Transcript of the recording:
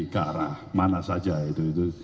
ke arah mana saja itu